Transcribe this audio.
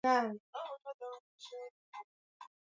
ukosefu wa utulivu kuharibika kwa mimba kuharisha